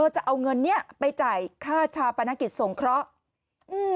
จะเอาเงินนี้ไปจ่ายค่าชาวประนักกิจสงเคราะห์